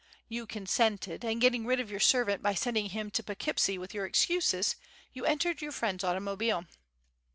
You consented, and getting rid of your servant by sending him to Poughkeepsie with your excuses, you entered your friend's automobile.